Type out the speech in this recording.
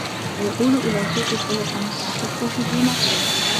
فَيَؤُولُ إلَى سُوءِ خُلُقٍ يَخُصُّهُ دُونَ غَيْرِهِ